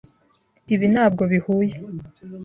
Ibi ntabwo bihuye.